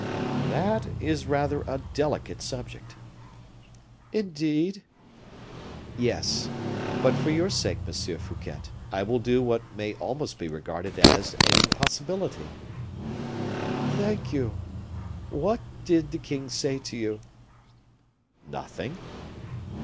"That is rather a delicate subject." "Indeed?" "Yes; but, for your sake, Monsieur Fouquet, I will do what may almost be regarded as an impossibility." "Thank you. What did the king say to you?" "Nothing."